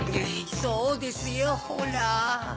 そうですよホラ。